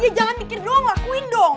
ya jangan mikir doang lakuin dong